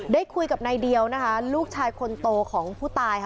ได้คุยกับนายเดียวนะคะลูกชายคนโตของผู้ตายค่ะ